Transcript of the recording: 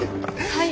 はい。